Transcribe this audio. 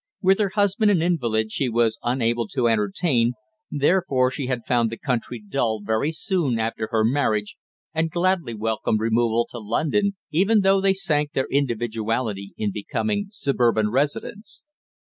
With her husband an invalid she was unable to entertain, therefore she had found the country dull very soon after her marriage and gladly welcomed removal to London, even though they sank their individuality in becoming suburban residents.